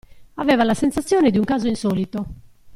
Aveva la sensazione di un caso insolito.